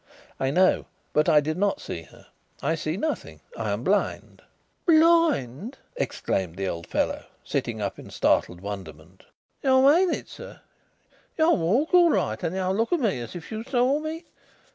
"I know, but I did not see her. I see nothing. I am blind." "Blind!" exclaimed the old fellow, sitting up in startled wonderment. "You mean it, sir? You walk all right and you look at me as if you saw me.